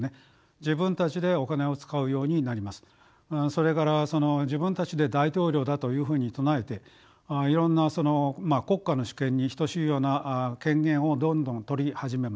それから自分たちで大統領だというふうに唱えていろんな国家の主権に等しいような権限をどんどんとり始めます。